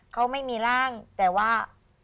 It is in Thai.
เขาไม่มีร่างแต่ว่า